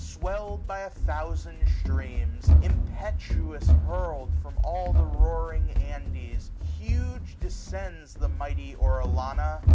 Swell'o by a thousand streams, impetuous hurl'd From all the roaring Andes, huge descends The mighty Orellana.